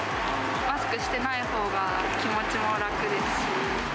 マスクしてないほうが気持ちも楽ですし。